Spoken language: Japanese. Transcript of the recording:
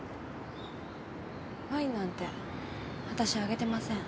ワインなんてわたしあげてません。